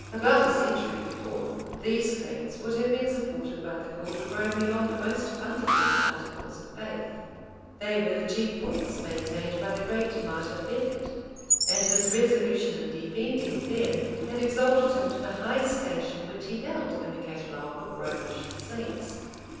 [] About a century before, these claims would have been supported by the court of Rome beyond the most fundamental articles of faith: they were the chief points maintained by the great martyr Becket; and his resolution in defending them had exalted him to the high station which he held in the catalogue of Romish saints.